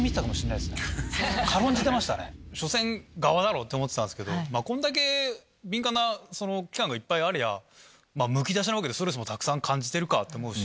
しょせん側だろうって思ってたんすけどこんだけ敏感な器官がいっぱいありゃむき出しなわけでストレスもたくさん感じてるかと思うし。